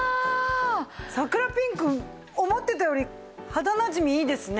桜ピンク思ってたより肌なじみいいですね。